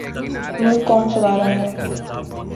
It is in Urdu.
ملک کون چلا رہا ہے؟